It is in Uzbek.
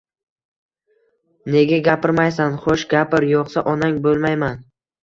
Nega gapirmaysan? Xo'sh, gapir, yo'qsa, onang bo'lmayman.